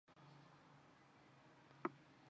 后来就竟然检查出肺癌